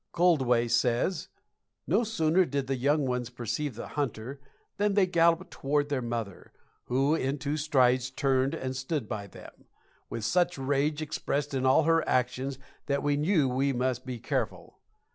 Koldeway says: "No sooner did the young ones perceive the hunter than they galloped toward their mother, who in two strides turned and stood by them, with such rage expressed in all her actions that we knew we must be careful.